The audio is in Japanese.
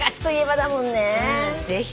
ぜひ。